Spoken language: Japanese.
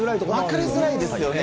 分かりづらいですよね。